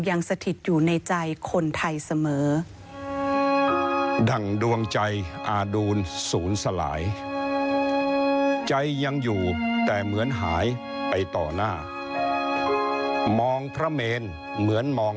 สถิตอยู่ในใจคนไทยเสมอ